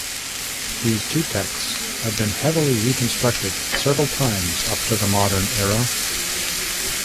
These two texts have been heavily reconstructed several times up to the modern era.